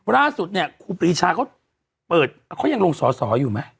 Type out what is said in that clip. ล่าสุดเนี่ยครูปีชาเค้ายังลงสอสออยู่มั้ย